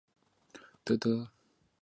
泉水站为侧式站台高架站。